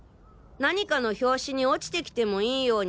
何かの拍子に落ちてきてもいいように。